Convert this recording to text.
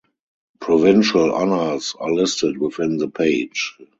Provincial honours are listed within the page.